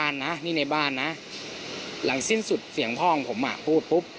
นะนี่ในบ้านนะหลังสิ้นสุดเสียงพ่อของผมอ่ะพูดปุ๊บ